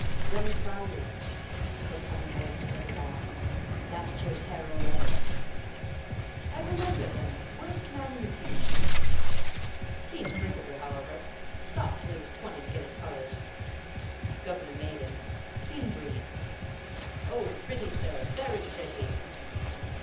"Young Crowley," said some voice further back. "Last year's Harrow Eleven." "I remember him. Worst man in the team." "Keen cricketer, however. Stopped till he was twenty to get his colors. Governor made him. Keen breed. Oh, pretty, sir! Very pretty!"